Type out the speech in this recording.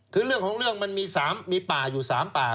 คือเรื่องของเรื่องมันมีป่าอยู่๓ป่า